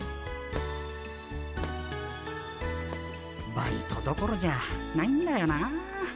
バイトどころじゃないんだよなあ。